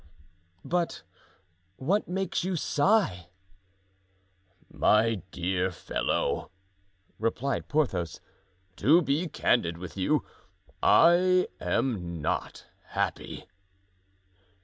"But what makes you sigh?" "My dear fellow," replied Porthos, "to be candid with you, I am not happy."